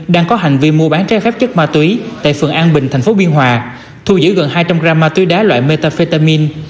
đang có hành vi mua bán trái phép chất ma túy tại phường an bình thành phố biên hòa thu giữ gần hai trăm linh gram ma túy đá loại metafetamin